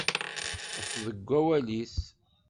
Teṭṭef deg wawal-is.